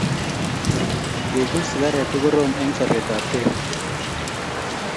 Kegule sigaret ko korom eng sobet ab kei